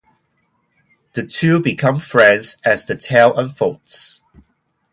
The two become friends as the tale unfolds.